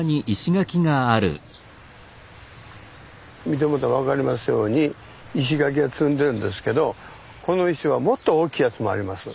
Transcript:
見てもうたら分かりますように石垣を積んでるんですけどこの石はもっと大きいやつもあります。